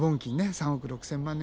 ３億６，０００万年！